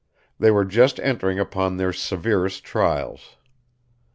They were just entering upon their severest trials.